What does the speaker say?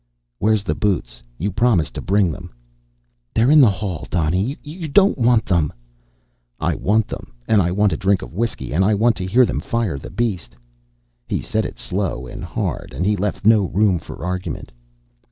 "Where's the boots? You promised to bring them?" "They're in the hall. Donny, you don't want them." "I want them, and I want a drink of whiskey, and I want to hear them fire the beast." He said it slow and hard, and he left no room for argument.